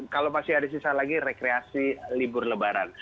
kalau masih ada sisa lagi rekreasi libur lebaran